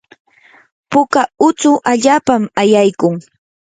puka utsu allapami ayaykun.